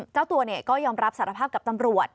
เจ้าตัวก็ยอมรับสารภาพกับตำรวจ